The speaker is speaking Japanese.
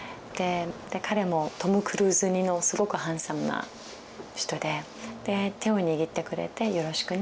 彼もトム・クルーズ似のすごくハンサムな人で手を握ってくれて「よろしくね」